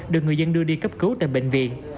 được người dân đưa đi cấp cứu tại bệnh viện